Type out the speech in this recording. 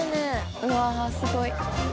うわあすごい。